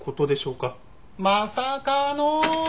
まさかの！